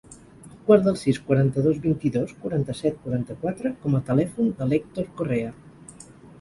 Guarda el sis, quaranta-dos, vint-i-dos, quaranta-set, quaranta-quatre com a telèfon de l'Hèctor Correa.